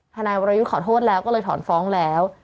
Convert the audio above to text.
ทนายวรยุทธ์ขอโทษแล้วก็เลยถอนฟ้องแล้ว